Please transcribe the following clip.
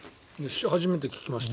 初めて聞きました。